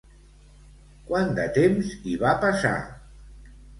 Quant de temps hi va passar?